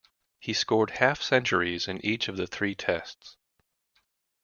He scored half-centuries in each of the three Tests.